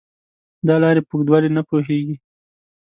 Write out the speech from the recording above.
دا لارې په اوږدوالي نه پوهېږي .